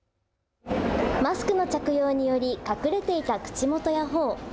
マスクの着用により隠れていた口元やほお。